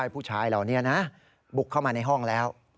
ผู้ชายเหล่านี้นะบุกเข้ามาในห้องแล้ว